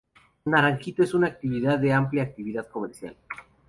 Naranjito es una ciudad de amplia actividad comercial.